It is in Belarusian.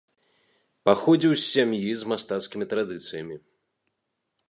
Паходзіў з сем'і з мастацкімі традыцыямі.